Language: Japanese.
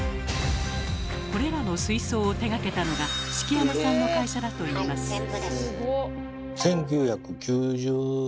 これらの水槽を手がけたのが敷山さんの会社だといいます。